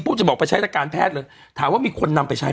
จะบอกไปใช้ทางการแพทย์เลยถามว่ามีคนนำไปใช้